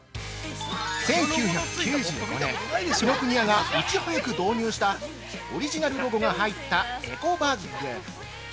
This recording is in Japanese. ◆１９９５年、紀ノ国屋がいち早く導入したオリジナルロゴが入ったエコバッグ。